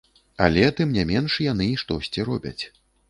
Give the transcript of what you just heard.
Але, тым не менш, яны штосьці робяць.